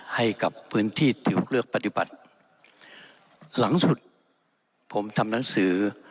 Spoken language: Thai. ให้กับพื้นที่ที่ถูกเลือกปฏิบัติหลังสุดผมทำหนังสือ